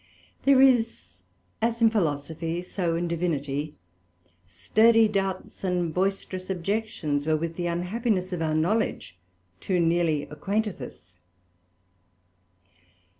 There is, as in Philosophy, so in Divinity, sturdy doubts and boisterous Objections, wherewith the unhappiness of our knowledge too nearly acquainteth us.